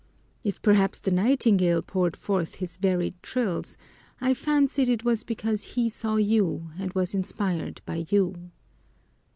If perhaps the nightingale poured forth his varied trills, I fancied it was because he saw you and was inspired by you.